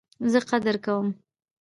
زه قدر کوم